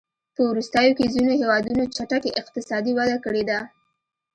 په وروستیو کې ځینو هېوادونو چټکې اقتصادي وده کړې ده.